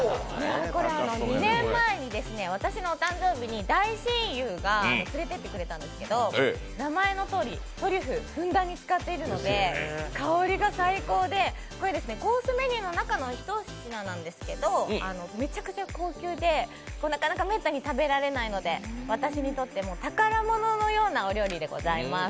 ２年前に私のお誕生日に大親友が連れて行ってくれたんですけど、名前のとおりトリュフをふんだんに使っているので、香りが最高で、コースメニューの中のひと品なんですけどめちゃくちゃ高級でなかなかめったに食べられないので私にとって宝物のようなお料理でございます。